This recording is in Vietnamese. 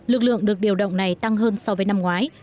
lực lượng được điều động này tăng hơn so với năm ngoái